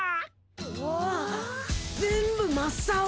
うわぁ全部真っ青！